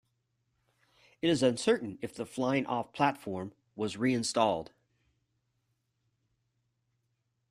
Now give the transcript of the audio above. It is uncertain if the flying-off platform was reinstalled.